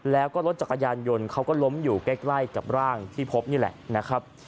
แล้วก็รถจักรยานยนต์เขาก็ล้มอยู่ใกล้กับร่างที่พบนี่แหละนะครับ